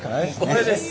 これです。